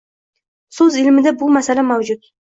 So’z ilmida bu masala mavjud